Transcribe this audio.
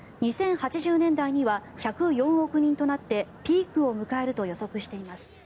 ２０８０年代には１０４億人となってピークを迎えると予測しています。